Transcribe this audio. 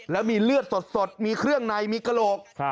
แล้วมีเลือดสดมีเครื่องในมีกระโหลก